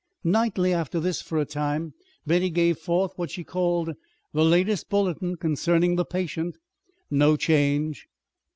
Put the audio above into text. Nightly, after this, for a time, Betty gave forth what she called the "latest bulletin concerning the patient": "No change."